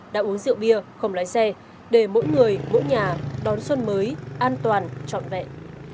đã uống rượu bia không lái xe để mỗi người mỗi nhà đón xuân mới an toàn trọn vẹn